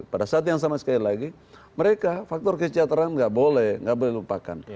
pada saat yang sama sekali lagi mereka faktor kesejahteraan nggak boleh nggak boleh lupakan